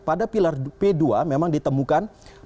pada pilar p dua memang ditemukan